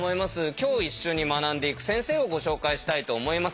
今日一緒に学んでいく先生をご紹介したいと思います。